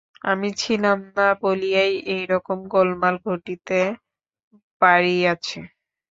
আমি ছিলাম না বলিয়াই এইরকম গোলমাল ঘটিতে পারিয়াছে।